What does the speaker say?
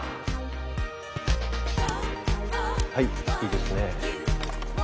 はいいいですね。